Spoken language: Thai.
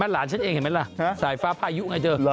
หลานฉันเองเห็นไหมล่ะสายฟ้าพายุไงเธอ